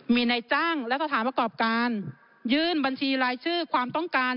มีนายจ้างและสถานประกอบการยื่นบัญชีรายชื่อความต้องการ